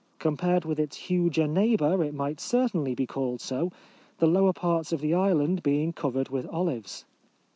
Com pared with its huger neighbour it might certainly be called so, the lower parts of the island being cov ered with olives.